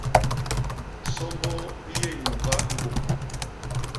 Sômbôô i yé nyuñga i bôm.